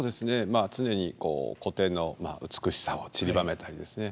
まあ常にこう古典の美しさをちりばめたりですね